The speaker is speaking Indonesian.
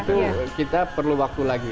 itu kita perlu waktu lagi